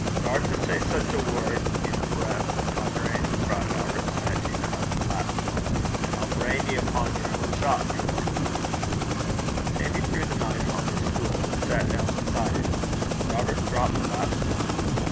'Daur to say sic a word in ae breath wi' my grannie,' cried Robert, snatching up the lapstone, 'an' I'll brain ye upo' yer ain shop flure.' Sandy threw the knife on his stool, and sat down beside it. Robert dropped the lapstone.